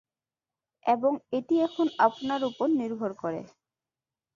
এবং এটি এখন আপনার উপর নির্ভর করে।